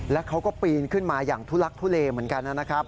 แล้วเขาก็ปีนขึ้นมาอย่างทุลักทุเลเหมือนกันนะครับ